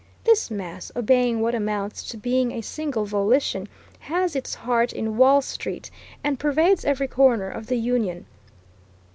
This mass, obeying what amounts to being a single volition, has its heart in Wall Street, and pervades every corner of the Union.